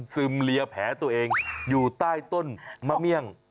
ซึมเลียแผลตัวเองอยู่ใต้ต้นมะเมี่ยง